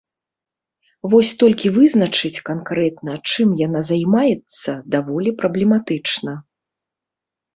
Вось толькі вызначыць канкрэтна, чым яна займаецца, даволі праблематычна.